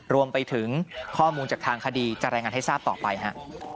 รวมไปถึงข้อมูลจากทางคดีจะรายงานให้ทราบต่อไปฮะ